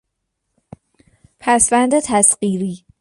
پسوند تصغیری